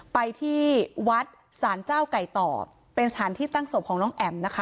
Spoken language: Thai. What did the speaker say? ไปที่วัดสารเจ้าไก่ต่อเป็นสถานที่ตั้งศพของน้องแอ๋มนะคะ